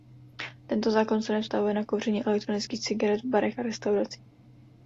Tento zákon se nevztahuje na kouření elektronických cigaret v barech a restauracích.